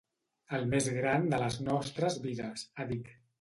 “El més gran de les nostres vides”, ha dit.